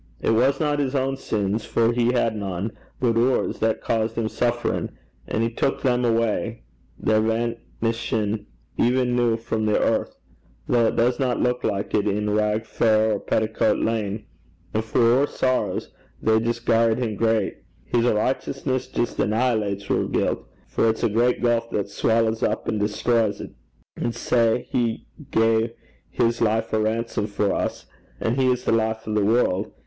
It wasna his ain sins, for he had nane, but oors, that caused him sufferin'; and he took them awa' they're vainishin' even noo frae the earth, though it doesna luik like it in Rag fair or Petticoat lane. An' for oor sorrows they jist garred him greit. His richteousness jist annihilates oor guilt, for it's a great gulf that swallows up and destroys 't. And sae he gae his life a ransom for us: and he is the life o' the world.